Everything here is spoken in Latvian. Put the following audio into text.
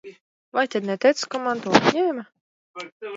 Vai tad neteicu, ka man to atņēma?